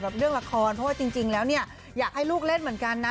เพราะว่าจริงแล้วเนี่ยอยากให้ลูกเล่นเหมือนกันนะ